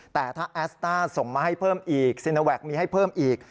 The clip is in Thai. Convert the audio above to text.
แต่ถ้าแอสต้าส่งมาให้เพิ่มอีกซีโนแวคมีให้เพิ่มอีก